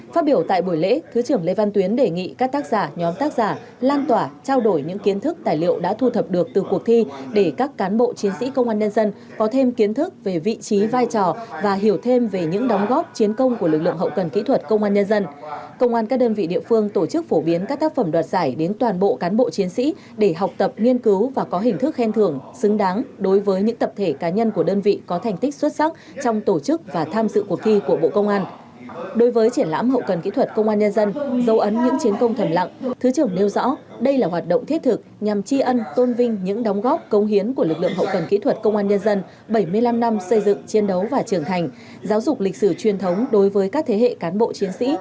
phát biểu tại buổi lễ thứ trưởng lê văn tuyến đề nghị các tác giả nhóm tác giả lan tỏa trao đổi những kiến thức tài liệu đã thu thập được từ cuộc thi để các cán bộ chiến sĩ công an nhân dân có thêm kiến thức về vị trí vai trò và hiểu thêm về những đóng góp chiến công của lực lượng hậu cần kỹ thuật công an nhân dân có thêm kiến thức về vị trí vai trò và hiểu thêm về những đóng góp chiến công của lực lượng hậu cần kỹ thuật công an nhân dân có thêm kiến thức về vị trí vai trò và hiểu thêm về những đóng góp chiến công của lực lượng hậu cần kỹ thuật công an nhân d